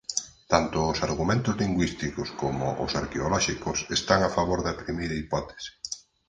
Tanto os argumentos lingüísticos como os arqueolóxicos están a favor da primeira hipótese.